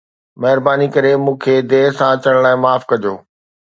مھرباني ڪري مون کي دير سان اچڻ لاءِ معاف ڪجو